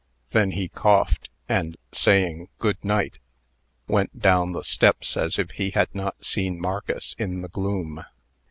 Then he coughed, and, saying "Good night," went down the steps, as if he had not seen Marcus in the gloom.